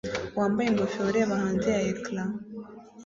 wambaye ingofero ureba hanze ya ecran